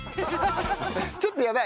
ちょっとやばい。